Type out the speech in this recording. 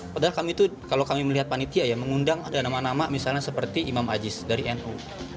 padahal kami itu kalau kami melihat panitia ya mengundang ada nama nama misalnya seperti imam aziz dari nu